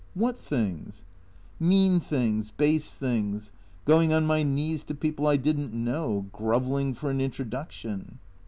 " What things ?"" Mean things, base things. Going on my knees to people I did n't know, grovelling for an introduction."